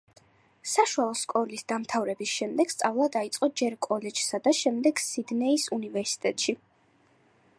საშუალო სკოლის დამთავრების შემდეგ სწავლა დაიწყო ჯერ კოლეჯსა და შემდეგ სიდნეის უნივერსიტეტში.